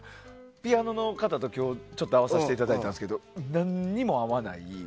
ピアノの方と合わさせていただいたんですけど何も合わない。